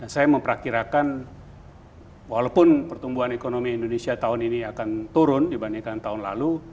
saya memperkirakan walaupun pertumbuhan ekonomi indonesia tahun ini akan turun dibandingkan tahun lalu